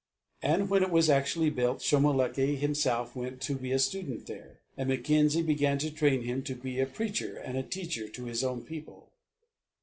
And when it was actually built Shomolekae himself went to be a student there, and Mackenzie began to train him to be a preacher and a teacher to his own people.